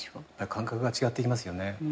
感覚が違ってきますよね。